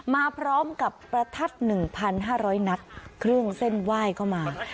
มาพร้อมกับประทัดหนึ่งพันห้าร้อยนัดเครื่องเส้นวาลเข้ามา